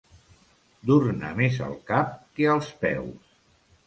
Dur-ne més al cap que als peus.